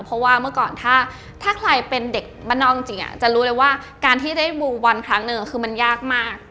เพราะว่าเมื่อก่อนถ้าใครเป็นเด็กบ้านนอกจริงจะรู้เลยว่าการที่ได้บูบอลครั้งหนึ่งคือมันยากมาก